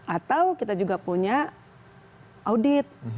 atau kita juga punya audit